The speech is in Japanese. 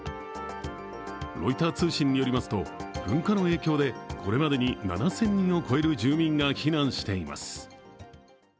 ロイター通信によりますと、噴火の影響でこれまでに７０００人を超える住民が避難しています。